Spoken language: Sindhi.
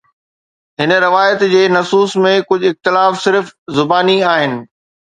هن روايت جي نصوص ۾ ڪجهه اختلاف صرف زباني آهن